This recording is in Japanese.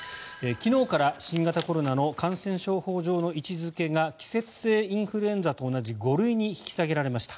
昨日から新型コロナの感染症法上の位置付けが季節性インフルエンザと同じ５類に引き下げられました。